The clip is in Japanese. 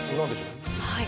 はい。